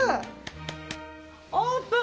オープン！